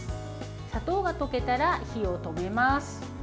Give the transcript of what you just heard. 砂糖が溶けたら火を止めます。